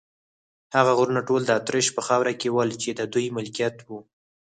هغه غرونه ټول د اتریش په خاوره کې ول، چې د دوی ملکیت و.